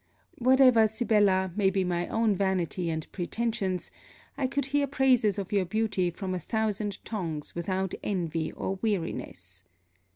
Whatever, Sibella, may be my own vanity and pretensions I could hear praises of your beauty from a thousand tongues without envy or weariness.